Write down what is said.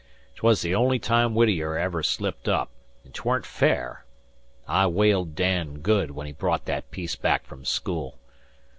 'Twas the only tune Whittier ever slipped up, an' 'tweren't fair. I whaled Dan good when he brought that piece back from school.